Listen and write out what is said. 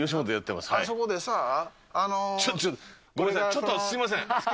ちょっとすみません、今。